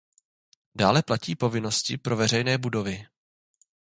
Dále platí povinnosti pro veřejné budovy.